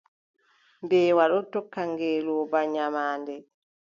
Mbeewa ɗon tokka ngeelooba nyamaande.